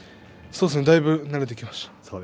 だいぶ慣れてきました。